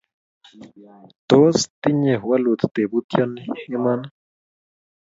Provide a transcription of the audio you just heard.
Tos tinye walut tebutyoni iman ii?